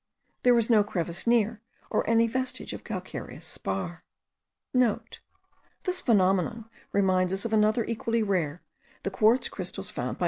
There was no crevice near, or any vestige of calcareous spar.* (* This phenomenon reminds us of another equally rare, the quartz crystals found by M.